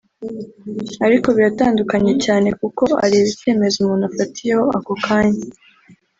ariko biratandukanye cyane kuko areba icyemezo umuntu afatiyeho ako kanya